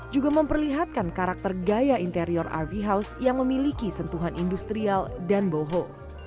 juga memperlihatkan karakter gaya interior rv house yang memiliki sentuhan industrial dan boho